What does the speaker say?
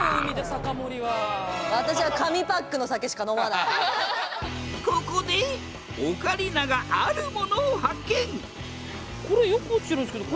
私はここでオカリナがあるものを発見